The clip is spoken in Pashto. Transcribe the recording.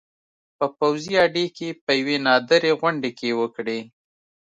په پوځي اډې کې په یوې نادرې غونډې کې وکړې